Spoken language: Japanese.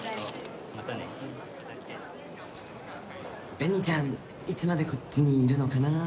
紅ちゃんいつまでこっちにいるのかなぁ。